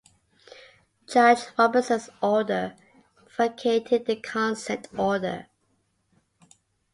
Judge Robertson's order vacated the Consent Order.